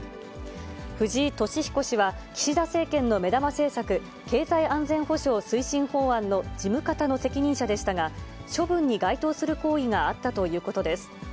藤井敏彦氏は岸田政権の目玉政策、経済安全保障推進法案の事務方の責任者でしたが、処分に該当する行為があったということです。